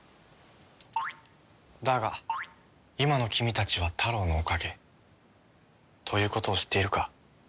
だが今の君たちはタロウのおかげということを知っているか？